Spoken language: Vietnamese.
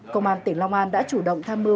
công an tỉnh long an đã chủ động tham mưu